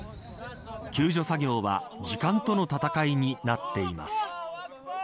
救助作業は時間との闘いになっています。